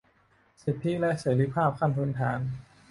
สิทธิและเสรีภาพขั้นพื้นฐาน